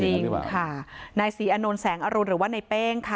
จริงค่ะนายศรีอานนท์แสงอรุณหรือว่าในเป้งค่ะ